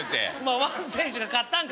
ワン選手が勝ったんかな？